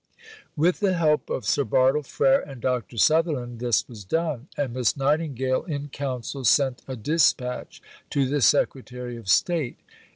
With the help of Sir Bartle Frere and Dr. Sutherland this was done; and Miss Nightingale in Council sent a dispatch to the Secretary of State.